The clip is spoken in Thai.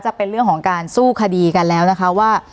จะเป็นเรื่องของการสู้คดีกันแล้วนะคะว่า